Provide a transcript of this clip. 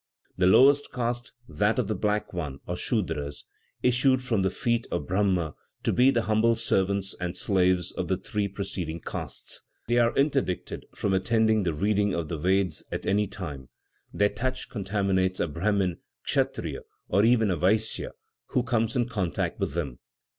The lowest caste, that of the black ones, or Sudras, issued from the feet of Brahma to be the humble servants and slaves of the three preceding castes. They are interdicted from attending the reading of the Vedas at any time; their touch contaminates a Brahmin, Kshatriya, or even a Vaisya who comes in contact with them.